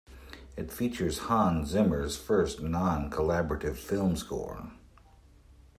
It features Hans Zimmer's first non-collaborative film score.